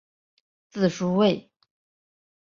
字叔胄。